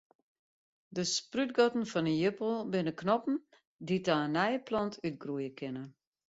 De sprútgatten fan in ierappel binne knoppen dy't ta in nije plant útgroeie kinne.